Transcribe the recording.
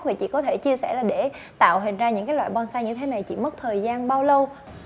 vậy chị có thể chia sẻ là để tạo hình ra những cái loại bonsai như thế này chỉ mất thời gian bao lâu